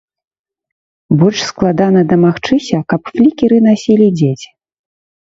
Больш складана дамагчыся, каб флікеры насілі дзеці.